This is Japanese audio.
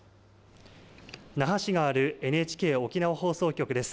那覇市があるＮＨＫ沖縄放送局です。